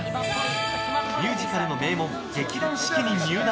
ミュージカルの名門劇団四季に入団。